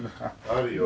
あるよ。